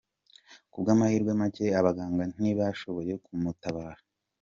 Ku bw’amahirwe make abaganga ntibashoboye kumutabara.”